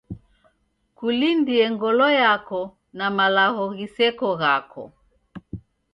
Kulindie ngolo yako na malagho ghiseko ghako.